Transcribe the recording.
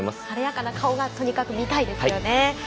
晴れやかな顔がとにかく見たいですよね。